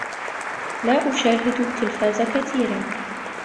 لا أشاهد التلفاز كثيرا.